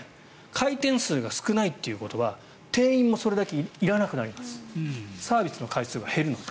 回転数が少ないということは店員もそれだけいらなくなりますサービスの回数が減るので。